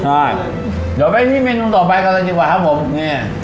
ใช่เดี๋ยวไปที่เมนูต่อไปกันเลยดีกว่าครับผมเนี่ย